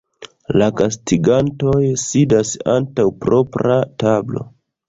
La gastigantoj sidas antaŭ propra tablo.